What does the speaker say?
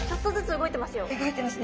動いてますね。